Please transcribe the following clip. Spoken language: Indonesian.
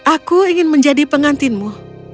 aku ingin menjadi pengantinmu